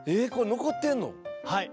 はい。